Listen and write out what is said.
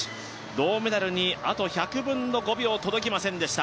銅メダルに、あと１００分の５秒届きませんでした。